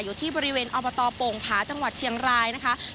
อยู่ที่บริเวณอบตปงพจังหวัดเชียงราย